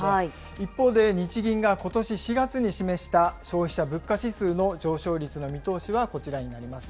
一方で日銀がことし４月に示した消費者物価指数の上昇率の見通しはこちらになります。